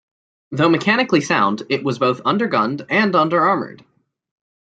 Though mechanically sound, it was both under-gunned and under-armoured.